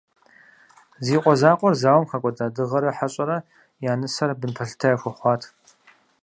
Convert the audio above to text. Зи къуэ закъуэр зауэм хэкӏуэда Дыгъэрэ Хьэщӏэрэ я нысэр бын пэлъытэ яхуэхъуат.